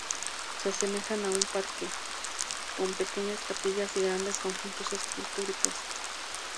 Se asemeja a un parque, con pequeñas capillas y grandes conjuntos escultóricos.